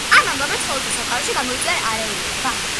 ამ ამბავმა ცხოველთა სამყაროში გამოიწვია არეულობა.